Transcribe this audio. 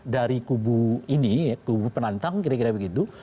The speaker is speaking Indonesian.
dari kubu ini kubu penantang kira kira begitu